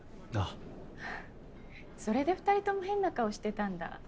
それで２人とも変な顔してたんだ。